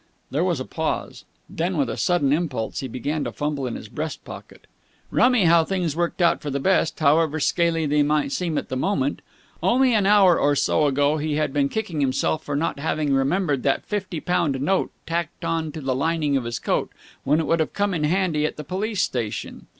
There was a pause. Then, with a sudden impulse, he began to fumble in his breast pocket. Rummy how things worked out for the best, however scaly they might seem at the moment. Only an hour or so ago he had been kicking himself for not having remembered that fifty pound note, tacked on to the lining of his coat, when it would have come in handy at the police station.